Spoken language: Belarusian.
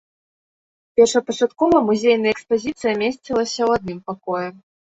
Першапачаткова музейная экспазіцыя месцілася ў адным пакоі.